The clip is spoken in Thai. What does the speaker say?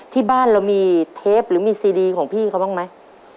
ที่บ้านเรามีเทปหรือมีซีดีของพี่เขาบ้างไหม